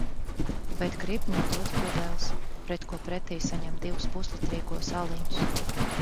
Bet grib nodot pudeles, pret ko pretī saņem divus puslitrīgos aliņus.